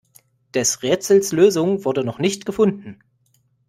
Des Rätsels Lösung wurde noch nicht gefunden.